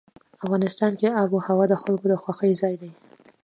افغانستان کې آب وهوا د خلکو د خوښې ځای دی.